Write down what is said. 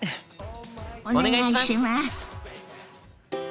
お願いします！